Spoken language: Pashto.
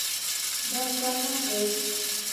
دا ستا حق دی.